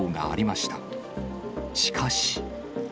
しかし。